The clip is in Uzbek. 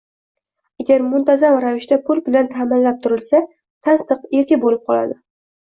Agar muntazam ravishda pul bilan ta’minlab turilsa – tantiq, erka bo‘lib qoladi.